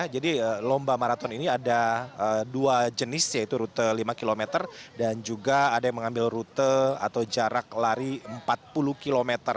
jadi lomba maraton ini ada dua jenis yaitu rute lima km dan juga ada yang mengambil rute atau jarak lari empat puluh km